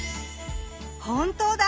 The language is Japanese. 本当だ。